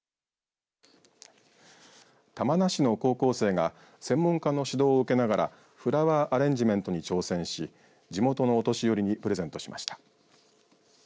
玉名市の高校生が専門家の指導を受けながらフラワーアレンジメントに挑戦し地元のお年寄りにプレゼントしました。